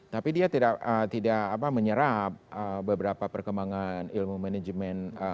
tapi dia tidak menyerap beberapa perkembangan ilmu manajemen